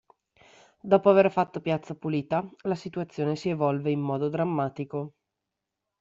Dopo aver fatto piazza pulita la situazione si evolve in modo drammatico.